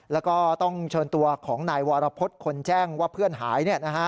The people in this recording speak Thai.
แล้วก็ต้องเชิญตัวของนายวรพฤษคนแจ้งว่าเพื่อนหาย